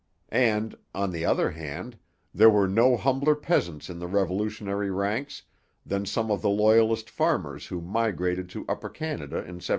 And, on the other hand, there were no humbler peasants in the revolutionary ranks than some of the Loyalist farmers who migrated to Upper Canada in 1783.